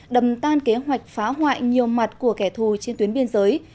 đầm tan kế hoạch phá hoại nhiều mặt của kẻ thù trên tuyến biên giới